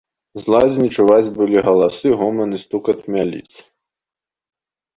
З лазні чуваць былі галасы, гоман і стукат мяліц.